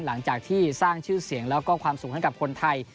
หลังจากที่สร้างชื่อเสียงแล้วก็ความสุขให้กับคนไทย